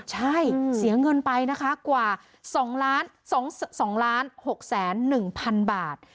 ใช่เสียเงินไปนะคะกว่า๒๖๑๐๐๐บาท